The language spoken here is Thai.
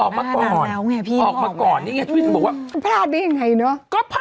ออกมาก่อนออกมาก่อนนี่ไงทีวีมันบอกว่าพลาดได้ยังไงเนอะ